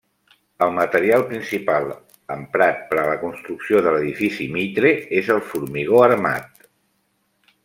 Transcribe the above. El material principal emprat per a la construcció de l'Edifici Mitre és el formigó armat.